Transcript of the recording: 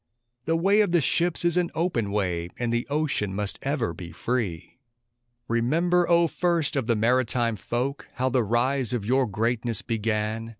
The way of the ships is an open way, and the ocean must ever be free! Remember, O first of the maritime folk, how the rise of your greatness began.